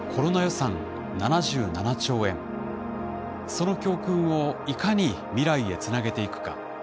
その教訓をいかに未来へつなげていくか。